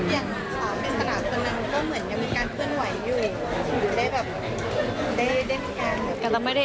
อย่างสาวเป็นตลาดตัวหนึ่ง